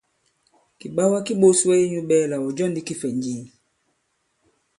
Kìɓawa ki ɓōs wɛ i nyū ɓɛ̄ɛlà ɔ̀ jɔ ndī kifɛ̀nji?